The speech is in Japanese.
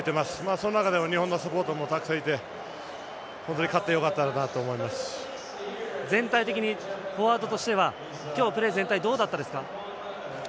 その中でも日本のサポーターもたくさんいて本当に勝ってよかったなと全体的にフォワードとしては今日、プレー全体どうだったですか？